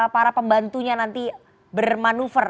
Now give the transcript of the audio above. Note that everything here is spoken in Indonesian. para pembantunya nanti bermanuver